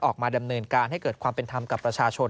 ออกมาดำเนินการให้เกิดความเป็นธรรมกับประชาชน